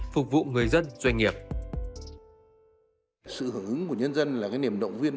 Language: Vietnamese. phục vụ người dân doanh nghiệp